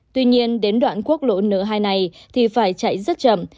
tuy nhiên đến đoạn quốc lộ n hai này thì phải chạy rất chậm